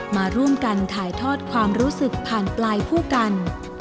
มาร่วมกันถ่ายทอดความรู้สึกผ่านปลายผู้กัน